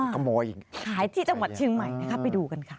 ขโมยอีกขายที่จังหวัดเชียงใหม่นะคะไปดูกันค่ะ